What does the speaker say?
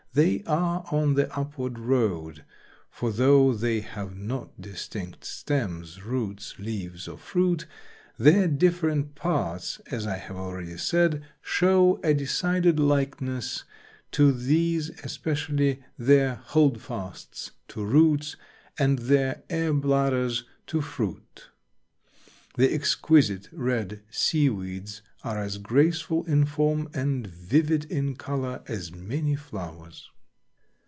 They are on the upward road, for though they have not distinct stems, roots, leaves or fruit, their different parts, as I have already said, show a decided likeness to these, especially their "holdfasts" to roots and their air bladders to fruit. The exquisite red seaweeds are as graceful in form and vivid in color as many flowers.